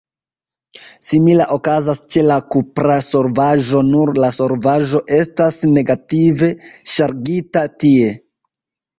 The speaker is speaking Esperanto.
Simila okazas ĉe la kupra solvaĵo, nur la solvaĵo estas negative ŝargita tie.